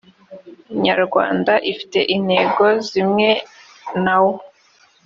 nyarwanda ifite intego zimwe na wo